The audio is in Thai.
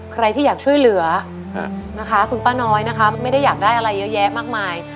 ใครที่อยากช่วยเหลือนะคะคุณป้าน้อยนะคะไม่ได้อยากได้อะไรเยอะแยะมากมาย